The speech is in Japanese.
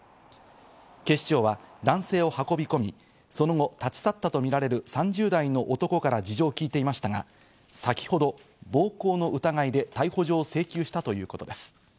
警視庁は男性を運び込み、その後立ち去ったとみられる３０代の男から事情を聴いていましたが、先ほど暴行の疑いで逮捕状を請求したということです。